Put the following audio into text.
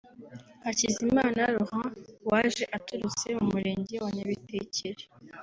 Hakizimana Laurent waje aturutse mu murenge wa Nyabitekeri